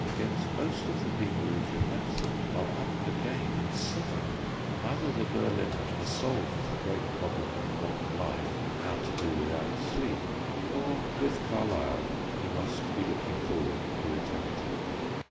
Yet most of the people who frequent them are up again at seven. Either the Berliner has solved the great problem of modern life, how to do without sleep, or, with Carlyle, he must be looking forward to eternity.